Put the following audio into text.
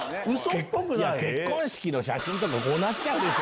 結婚式の写真ってこうなっちゃうでしょ。